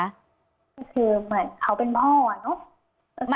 คือเหมือนเขาเป็นบ้อเนอะ